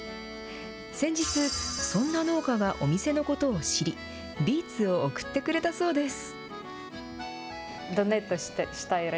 先日、そんな農家がお店のことを知り、ビーツを送ってくれたそうです。